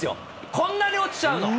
こんなに落ちちゃうの。